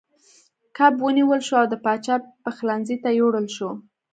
کب ونیول شو او د پاچا پخلنځي ته یووړل شو.